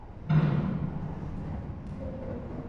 د خاورې د استحکام لپاره نیالګي وکرو.